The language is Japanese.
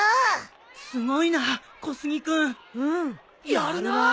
やるな。